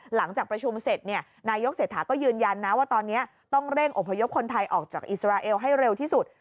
หลังจากประชุมเสร็จนายกเศรษฐาก็ยืนยันนะว่าตอนนี้ต้องเร่งอพยพคนไทยออกจากอิสราเอลให้เร็วที่สุด